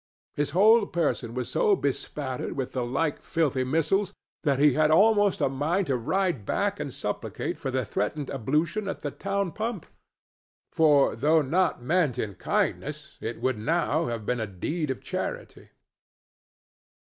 His whole person was so bespattered with the like filthy missiles that he had almost a mind to ride back and supplicate for the threatened ablution at the town pump; for, though not meant in kindness, it would now have been a deed of charity.